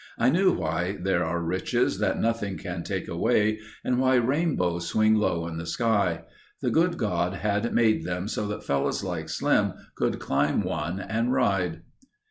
I knew why there are riches that nothing can take away and why rainbows swing low in the sky. The good God had made them so that fellows like Slim could climb one and ride.